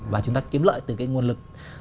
và chúng ta kiếm lợi từ cái nguồn lực